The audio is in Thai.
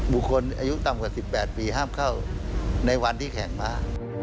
บุคคลอายุต่ำกว่า๑๘ปีห้ามเข้าในวันที่แข่งม้า